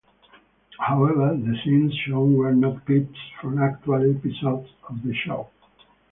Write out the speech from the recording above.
However, the scenes shown were not clips from actual episodes of the show.